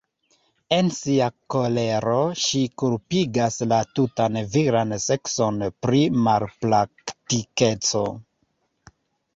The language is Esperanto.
En sia kolero ŝi kulpigas la tutan viran sekson pri malpraktikeco.